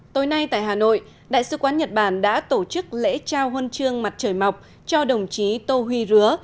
tối nay tại hà nội đại sứ quán nhật bản đã tổ chức lễ trao huân chương mặt trời mọc cho đồng chí tô huy rứa